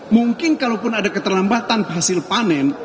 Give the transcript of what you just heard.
mungkin kalaupun ada keterlambatan hasil panen